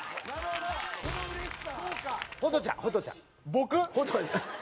僕？